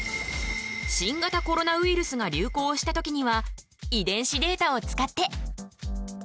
新型コロナウイルスが流行した時には遺伝子データを使って。